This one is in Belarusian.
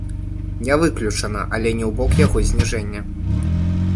Не выключана, але не ў бок яго зніжэння.